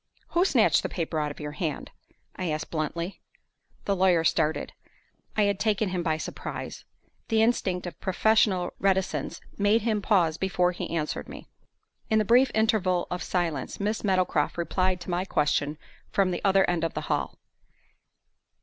"Who snatched the paper out of your hand?" I asked, bluntly. The lawyer started. I had taken him by surprise. The instinct of professional reticence made him pause before he answered me. In the brief interval of silence, Miss Meadowcroft replied to my question from the other end of the hall.